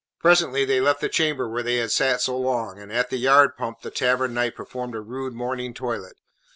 Presently they left the chamber where they had sat so long, and at the yard pump the Tavern Knight performed a rude morning toilet.